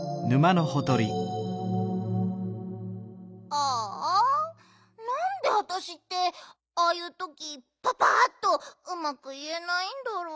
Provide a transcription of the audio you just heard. ああなんでわたしってああいうときパパッとうまくいえないんだろう。